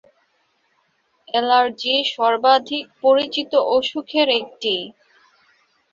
Allergy সর্বাধিক পরিচিত অসুখের একটি।